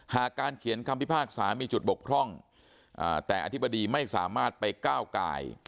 การเขียนคำพิพากษามีจุดบกพร่องแต่อธิบดีไม่สามารถไปก้าวกาย